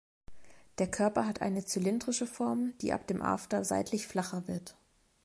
Der Körper hat eine zylindrische Form, die ab dem After seitlich flacher wird.